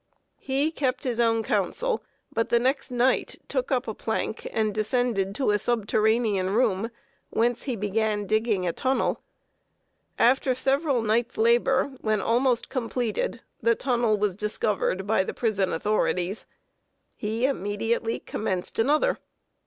He kept his own counsel; but the next night took up a plank and descended to a subterranean room, whence he began digging a tunnel. After several nights' labor, when almost completed, the tunnel was discovered by the prison authorities. He immediately commenced another.